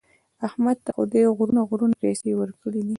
احمد ته خدای غرونه غرونه پیسې ورکړي دي.